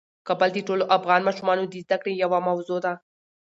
کابل د ټولو افغان ماشومانو د زده کړې یوه موضوع ده.